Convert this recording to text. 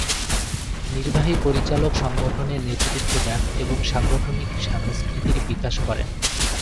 নির্বাহী পরিচালক সংগঠনের নেতৃত্ব দেন এবং এর সাংগঠনিক সংস্কৃতির বিকাশ করেন।